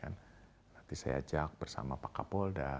nanti saya ajak bersama pak kapolda